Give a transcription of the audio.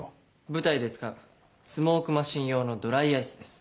舞台で使うスモークマシン用のドライアイスです。